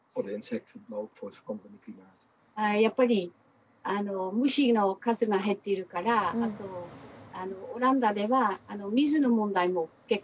やっぱり虫の数が減っているからあとオランダでは水の問題も結構ありますね。